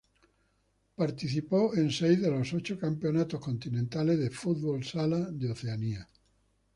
Participó en seis de los ocho campeonatos continentales de fútbol sala de Oceanía.